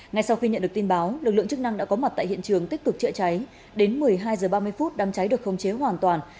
ngay sau khi nhận được tin báo lực lượng chức năng đã có mặt tại hiện trường tích cực chữa cháy đến một mươi hai h ba mươi đám cháy được không chế hoàn toàn